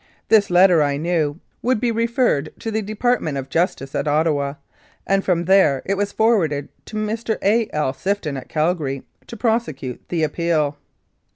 This letter, I knew, would be referred to the Department of Justice at Ottawa, and from there it was forwarded to Mr. A. L. Sifton at Calgary to prosecute the appeal.